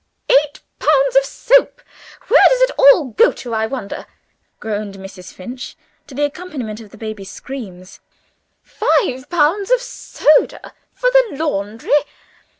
"Eight pounds of soap? Where does it all go to I wonder!" groaned Mrs. Finch to the accompaniment of the baby's screams. "Five pounds of soda for the laundry?